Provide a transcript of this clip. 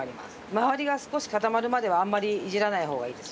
周りが少し固まるまではあんまりいじらない方がいいです